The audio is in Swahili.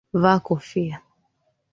Vaa kofia